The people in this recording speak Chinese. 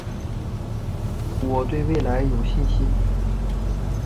我对未来有信心